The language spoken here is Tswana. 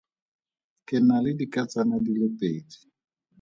Ke na le dikatsana di le pedi.